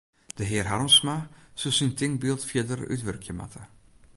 De hear Harmsma sil syn tinkbyld fierder útwurkje moatte.